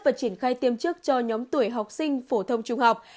và triển khai tiêm trước cho nhóm tuổi học sinh phổ thông trung học